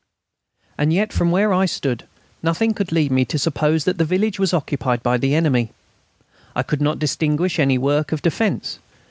And yet, from where I stood, nothing could lead me to suppose that the village was occupied by the enemy. I could not distinguish any work of defence.